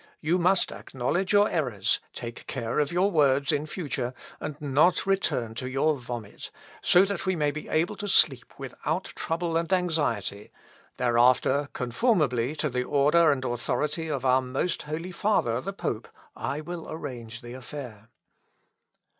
You must acknowledge your errors, take care of your words in future, and not return to your vomit, so that we may be able to sleep without trouble and anxiety; thereafter, conformably to the order and authority of our most holy father the pope, I will arrange the affair."